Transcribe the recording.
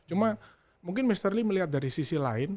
cuma mungkin mr lee melihat dari sisi lain